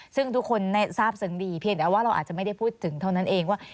ซึ่งทุกคนทราบซึ้งดีเพียงแต่ว่าเราอาจจะไม่ได้พูดถึงเท่านั้นเองว่า